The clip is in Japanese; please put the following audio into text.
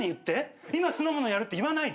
今酢の物やるって言わないで。